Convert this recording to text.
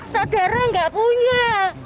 saudara nggak punya